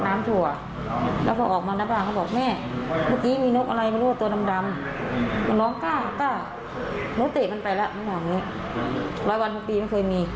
ร้อยวันพอตีไม่เคยมี